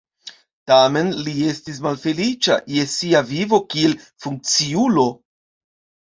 Tamen li estis malfeliĉa je sia vivo kiel funkciulo.